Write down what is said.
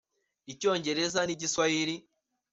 Icyongereza n’Igiswahili